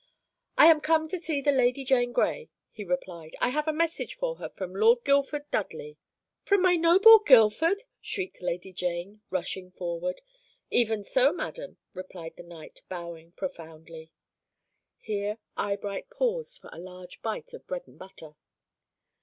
"'I am come to see the Lady Jane Grey,' he replied; 'I have a message for her from Lord Guildford Dudley.' "'From my noble Guildford,' shrieked Lady Jane, rushing forward. "'Even so, madam,' replied the knight, bowing profoundly." Here Eyebright paused for a large bite of bread and butter.